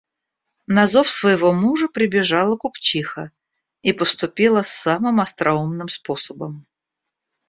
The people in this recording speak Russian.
На зов своего мужа, прибежала купчиха и поступила самым остроумным способом.